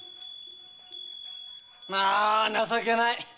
あ情けない！